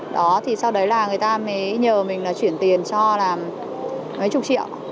đó thì sau đấy là người ta mới nhờ mình là chuyển tiền cho là mấy chục triệu